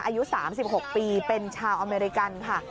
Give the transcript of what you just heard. อายุ๓๖ปีเป็นชาวอเมริกันค่ะ